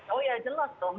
oh ya jelas dong